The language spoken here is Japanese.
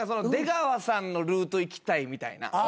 出川さんのルートいきたいみたいな。